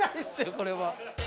これは。